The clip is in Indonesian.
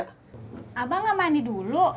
yang abang jalin dulu ya